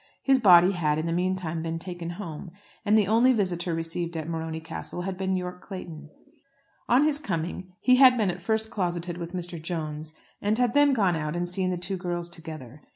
His body had, in the meantime, been taken home, and the only visitor received at Morony Castle had been Yorke Clayton. On his coming he had been at first closeted with Mr. Jones, and had then gone out and seen the two girls together.